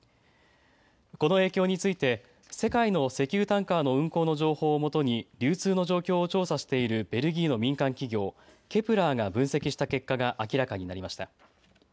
この影響について世界の石油タンカーの運航の情報をもとに流通の状況を調査しているベルギーの民間企業、ＫＰＬＥＲが分析した結果が明らかになりました。